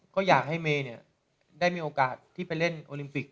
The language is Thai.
ก็อยากให้เมย์ได้มีโอกาสที่ไปเล่นโอลิมปิก